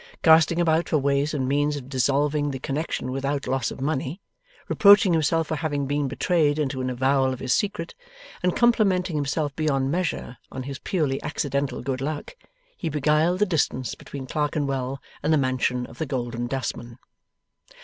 Casting about for ways and means of dissolving the connexion without loss of money, reproaching himself for having been betrayed into an avowal of his secret, and complimenting himself beyond measure on his purely accidental good luck, he beguiled the distance between Clerkenwell and the mansion of the Golden Dustman.